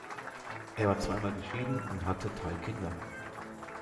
Er war zweimal geschieden und hatte drei Kinder.